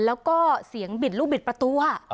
แล้วก็เสียงบิดลูกบิดประตู